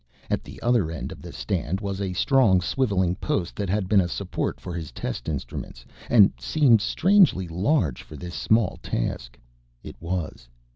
At the other end of the stand was a strong, swiveling post that had been a support for his test instruments, and seemed strangely large for this small task. It was.